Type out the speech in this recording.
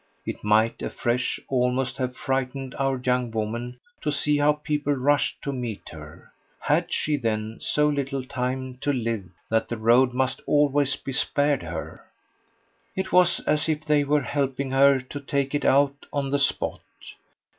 It might, afresh, almost have frightened our young woman to see how people rushed to meet her: HAD she then so little time to live that the road must always be spared her? It was as if they were helping her to take it out on the spot.